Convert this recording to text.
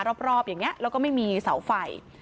รอบอย่างนี้แล้วก็ไม่มีเสาไฟ